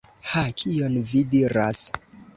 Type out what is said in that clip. Ha, kion vi diras!